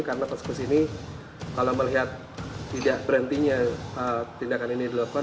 karena persekusi ini kalau melihat tidak berhentinya tindakan ini dilakukan